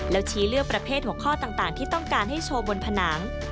แล้วชี้เลือกประเภทหัวข้อต่างที่ต้องการให้โชว์บนผนัง